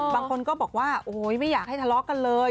บางคนก็บอกว่าโอ้โหไม่อยากให้ทะเลาะกันเลย